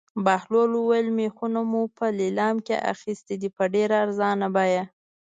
بهلول وویل: مېخونه مو په لېلام کې اخیستي دي په ډېره ارزانه بیه.